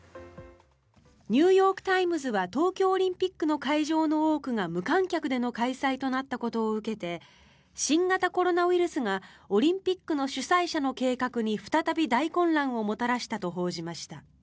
ニューヨーク・タイムズは東京オリンピックの会場の多くが無観客での開催となったことを受けて新型コロナウイルスがオリンピックの主催者の計画に再び大混乱をもたらしたと報じました。